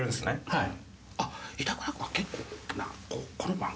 はい。